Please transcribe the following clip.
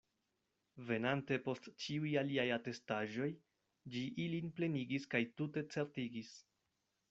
Venante post ĉiuj aliaj atestaĵoj, ĝi ilin plenigis kaj tute certigis.